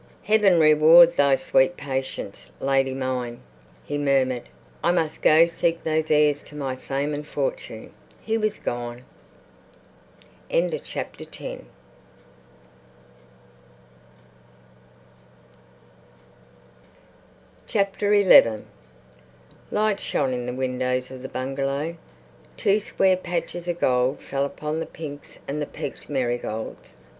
"Heaven reward thy sweet patience, lady mine," he murmured. "I must go seek those heirs to my fame and fortune...." He was gone. XI Light shone in the windows of the bungalow. Two square patches of gold fell upon the pinks and the peaked marigolds.